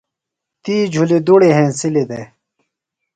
تی جُھلیۡ دُڑی ہنسِلیۡ دےۡ۔